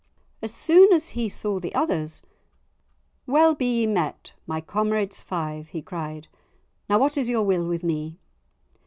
As soon as he saw the others, "Well be ye met, my comrades five," he cried. "Now, what is your will with me?"